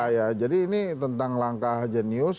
ya jadi ini tentang langkah jenius